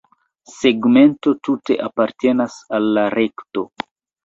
Segmento tute apartenas al la rekto.